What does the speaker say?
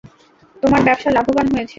তোমার ব্যবসা লাভবান হয়েছে।